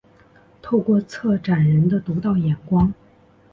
透过策展人的独到眼光